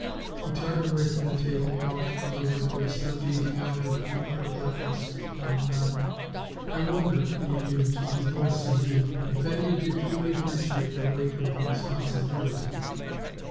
He turned away from the table, walked to the window, and stood gazing out into the utter blackness of the night. "I wonder," he mused, his voice subdued, "if any of you truly appreciate the weight of the responsibility."